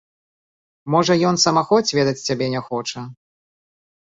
Можа ён самахоць ведаць цябе не хоча?